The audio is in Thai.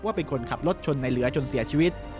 เป็นคนขับรถชนในเหลือจนเสียชีวิต